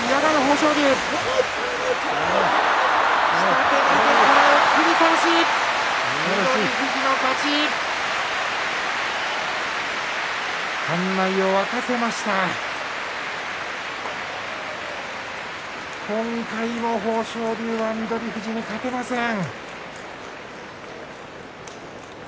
今回も、豊昇龍は翠富士に勝てません。